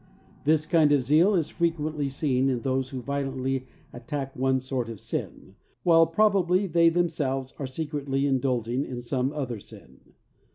This kind of zeal is frequently seen in those who violently attack one sort of sin, while probably they themselves are secretly ZEAL. 29 indulging in some other sin.